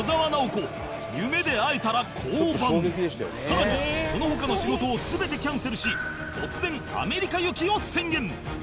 野沢直子さらにその他の仕事を全てキャンセルし突然アメリカ行きを宣言